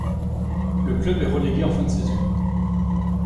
Le club est relégué en fin de saison.